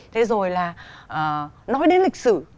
thế rồi là nói đến lịch sử